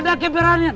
harus ada keberanian